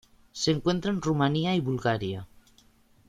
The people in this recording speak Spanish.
Se encuentra en Rumanía y Bulgaria.